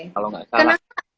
kalau gak salah